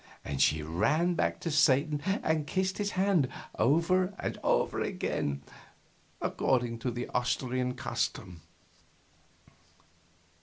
And she ran to Satan and kissed his hand, over and over again, according to the Austrian custom.